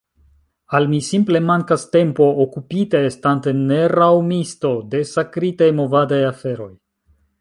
Al mi simple mankas tempo, okupite, estante neraŭmisto, de sakritaj movadaj aferoj.